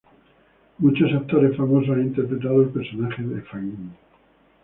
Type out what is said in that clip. Muchos actores famosos han interpretado el personaje de Fagin.